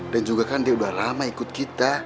juga kan dia udah lama ikut kita